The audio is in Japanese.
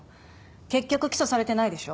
結局起訴されてないでしょ。